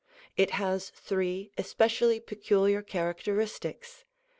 It has three especially peculiar characteristics.